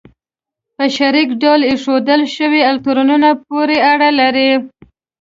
په شریک ډول ایښودل شوو الکترونونو پورې اړه لري.